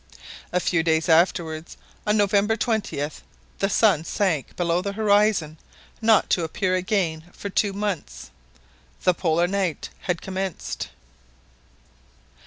A few days afterwards, on November .20th, the sun sunk below the horizon not to appear again for two months. The Polar night had commenced!